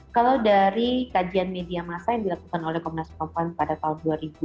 kalau dari kajian media masa yang dilakukan oleh komnas perempuan pada tahun dua ribu dua puluh